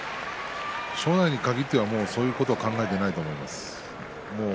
正代に限ってはそういうことは考えていないと思います。